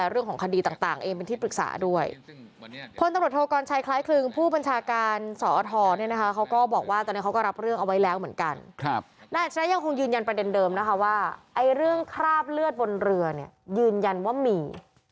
เรื่องคราบเลือดบนเรือเนี่ยยืนยันว่ามี